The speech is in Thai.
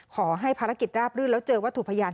ขอให้ภารกิจราบรื่นแล้วเจอวัตถุพยาน